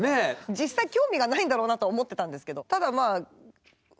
実際興味がないんだろうなとは思ってたんですけど